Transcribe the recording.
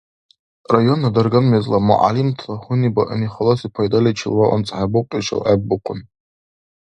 Районна дарган мезла мугӀяллимтала гьунибаъни халаси пайдаличил ва анцӀхӀебукьи шалгӀеббухъун.